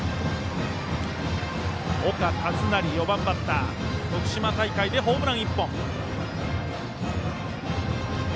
岡一成、４番バッターは徳島大会でホームラン１本。